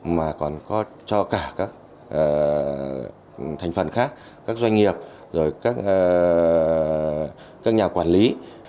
mà còn có cho cả các thành phần khác các doanh nghiệp rồi các nhà quản lý